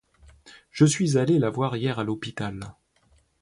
Je suis allé la voir hier à l'hôpital.